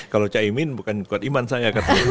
kalau cah imin bukan kuat iman saya